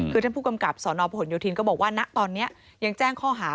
คือท่านผู้กำกับสนพลโยธินก็บอกว่าณตอนนี้ยังแจ้งข้อหา